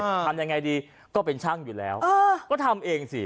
ทำยังไงดีก็เป็นช่างอยู่แล้วเออก็ทำเองสิ